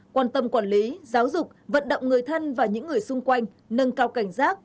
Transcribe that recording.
quan tâm quản lý giáo dục vận động người thân và những người xung quanh nâng cao cảnh giác